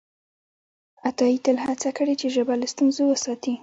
عطایي تل هڅه کړې چې ژبه له ستونزو وساتي.